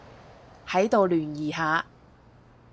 喺度聯誼下